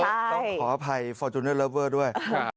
ต้องขออภัยฟอร์จูเนอร์เลิฟเวอร์ด้วย